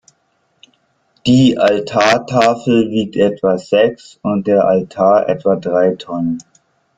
Die Altartafel wiegt etwa sechs und der Altar etwa drei Tonnen.